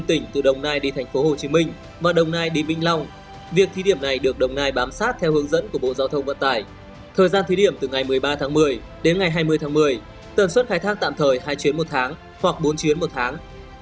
thời gian thí điểm từ ngày một mươi ba tháng một mươi đến ngày hai mươi tháng một mươi tần suất khai thác tạm thời hai chuyến một tháng hoặc bốn chuyến một tháng